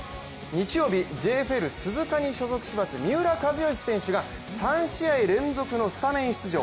日曜日、ＪＦＬ鈴鹿に所属します三浦和義選手が３試合連続のスタメン出場。